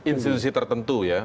institusi tertentu ya